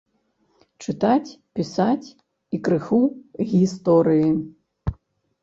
Чытаць, пісаць і крыху гісторыі.